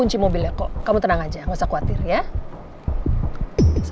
nama aurait rusak atau